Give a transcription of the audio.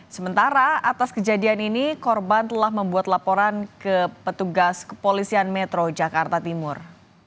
sementara atas kejadian ini korban telah membuat laporan ke petugas kepolisian metro jakarta timur